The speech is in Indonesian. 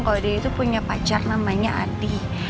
kalau dia itu punya pacar namanya adi